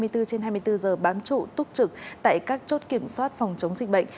hai mươi bốn trên hai mươi bốn giờ bám trụ túc trực tại các chốt kiểm soát phòng chống dịch bệnh